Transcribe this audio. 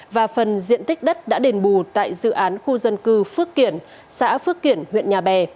và phần diện tích đất đã đền bù tại dự án khu dân cư phước kiển xã phước kiển huyện nhà bè